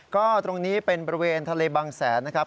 ก็ตรงนี้เป็นบริเวณทะเลบางแสนนะครับ